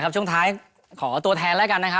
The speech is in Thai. ช่วงท้ายขอตัวแทนล่ะแกล้ง